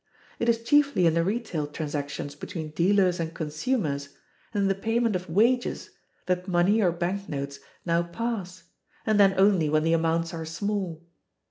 It is chiefly in the retail transactions between dealers and consumers, and in the payment of wages, that money or bank notes now pass, and then only when the amounts are small.